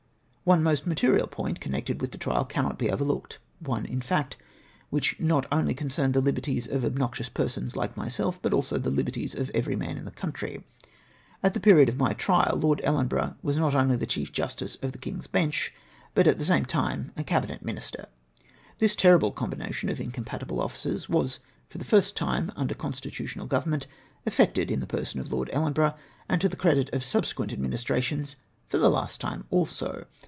One most material point connected with the trial cannot be overlooked ; one, in foct, which not only concerned the liberties of obnoxious persons hke my self, but also the hberties of every man in the country. At the period of my trial, Lord Ellenborough was not only Cliief Justice of the King's Bencli, but at the SMiE TIME A Cabinet Minister !!! This terrible com bination of incompatible ofiices was for the first time under constitutional government effected in the person of Lord Ellenborough, and, to the credit of subsequent administrations, for the last time also.